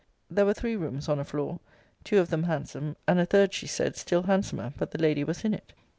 There were three rooms on a floor: two of them handsome; and the third, she said, still handsomer; but the lady was in it.